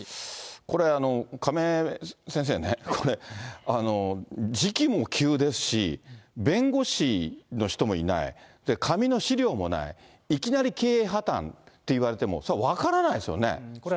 これ、亀井先生ね、時期も急ですし、弁護士の人もいない、紙の資料もない、いきなり経営破綻って言われても、それは分からないですよね。